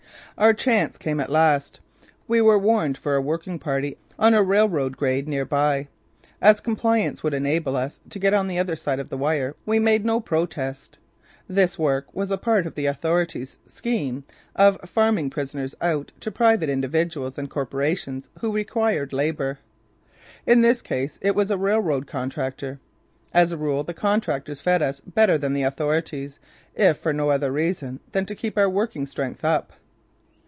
Our chance came at last. We were "warned" for a working party on a railroad grade near by. As compliance would enable us to get on the other side of the wire, we made no protest. This work was a part of the authorities' scheme of farming prisoners out to private individuals and corporations who required labour. In this case it was a railroad contractor. As a rule the contractors fed us better than the authorities, if for no other reason than to keep our working strength up.